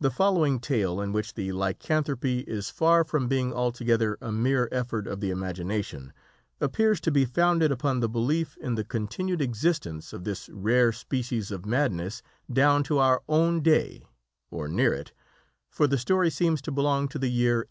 The following tale, in which the lycanthropy is far from being altogether a mere effort of the imagination, appears to be founded upon the belief in the continued existence of this rare species of madness down to our own day or near it for the story seems to belong to the year 1832.